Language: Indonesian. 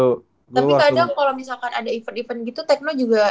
tapi kadang kalau misalkan ada event event gitu tekno juga